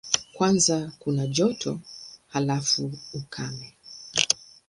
Kwanza kuna joto, halafu ukame.